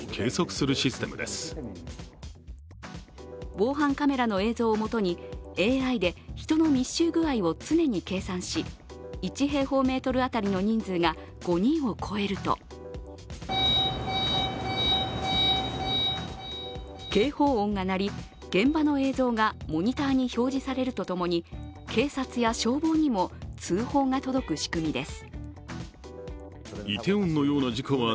防犯カメラの映像をもとにＡＩで人の密集具合を常に計算し１平方メートル当たりの人数が５人を超えると、警報音が鳴り、現場の映像がモニターに表示されるとともに、警察や消防にも通報が届く仕組みです。